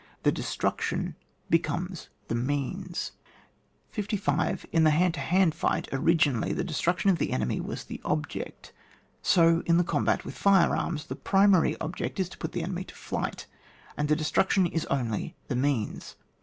The destruction becomes the means. 55. As in the hand to hand fight, ori ginally, the destruction of the enemy was the object, so in the combat with fire arms the primary object is to put the enemy to flight, and the destruction is only the means.